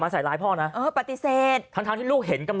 มาใสร้ายพ่อน่ะเออปัติเศพทั้งที่ลูกเห็นกำ